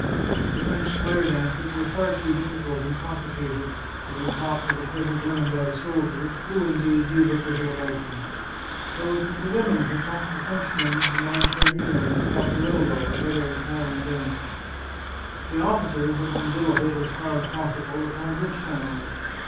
The French square dances were far too difficult and complicated to be taught to the peasant women by the soldiers, who, indeed, knew but little about them. So it was the women who taught The Chartreuse of Parma the Frenchmen the monferino, the saltarello, and other Italian dances. The officers had been billeted, as far as possible, upon rich families.